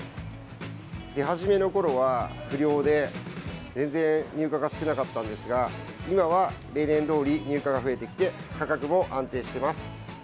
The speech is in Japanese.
出始めのころは不漁で全然入荷が少なかったのですが今は例年どおり入荷が増えてきて価格も安定しています。